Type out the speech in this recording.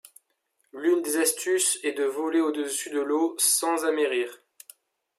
L'une des astuces est de voler au-dessus de l'eau sans amerrir.